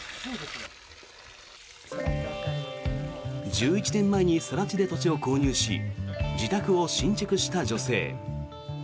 １１年前に更地で土地を購入し自宅を新築した女性。